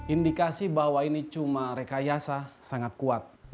indikasi bahwa ini cuma rekayasa sangat kuat